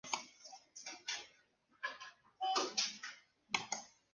Víctor Hugo Rascón Banda escribió una obra de teatro llamada "Tina Modotti".